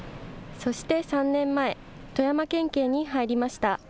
そして３年前、富山県警に入りました。